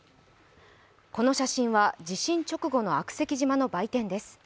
この写真は地震直後の悪石島の売店です。